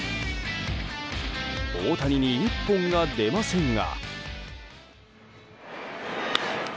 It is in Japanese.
大谷に一本が出ませんが。